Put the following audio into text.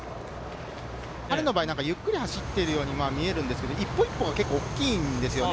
彼の場合、ゆっくり走っているように見えるんですけど、一歩一歩が結構大きいんですよね。